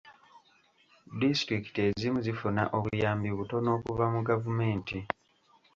Disitulikiti ezimu zifuna obuyambi butono okuva mu gavumenti.